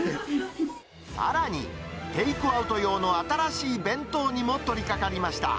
さらに、テイクアウト用の新しい弁当にも取りかかりました。